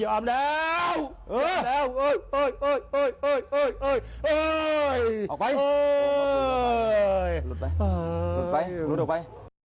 หลุดไปหลุดออกไป